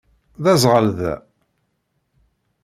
D aẓɣal da.